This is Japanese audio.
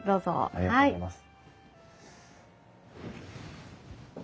ありがとうございます。